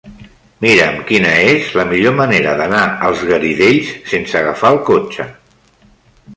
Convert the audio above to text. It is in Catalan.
Mira'm quina és la millor manera d'anar als Garidells sense agafar el cotxe.